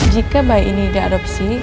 jika bayi ini tidak adopsi